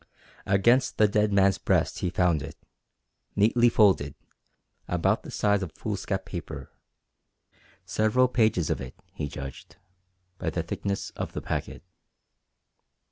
Against the dead man's breast he found it, neatly folded, about the size of foolscap paper several pages of it, he judged, by the thickness of the packet.